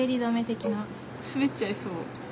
すべっちゃいそう。